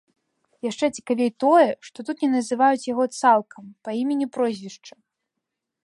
Яшчэ цікавей тое, што тут не называюць яго цалкам па імені-прозвішчы.